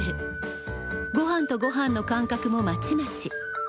ごはんとごはんの間隔もまちまち。